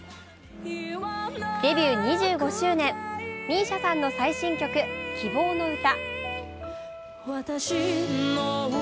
デビュー２５周年、ＭＩＳＩＡさんの最新曲「希望のうた」。